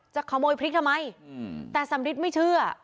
จะขโมยพริกทำไมแต่สำริทไม่เชื่อ